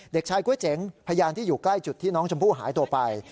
เด็กชายก๋วยเจ๋งพยานที่อยู่ใกล้จุดที่น้องชมพู่หายตัวไป